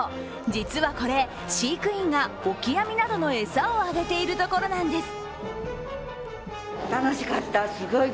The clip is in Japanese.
実はこれ、飼育員がオキアミなどの餌をあげているところなんです。